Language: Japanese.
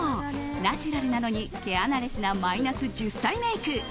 ナチュラルなのに毛穴レスなマイナス１０歳メイク。